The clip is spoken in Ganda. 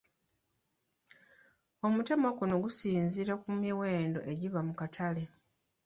Omutemwa guno gusinziira ku miwendo egiba mu katale.